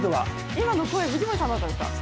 今の声、藤森さんだったんですか。